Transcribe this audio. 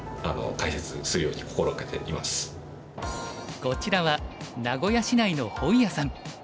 こちらは名古屋市内の本屋さん。